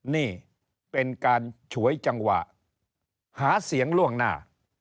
นี่เป็นการฉวยจังหวะหาเสียงล่วงหน้า